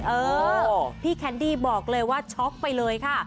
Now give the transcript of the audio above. เออพี่แคนดี้บอกเลยว่าช็อกไปเลยค่ะ